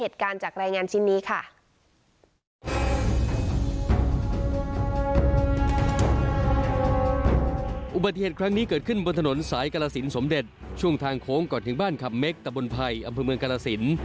ทางโค้งก่อนถึงบ้านขับเม็กตะบนไพ่อำนวยเมืองกาลสิน